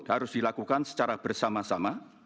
harus dilakukan secara bersama sama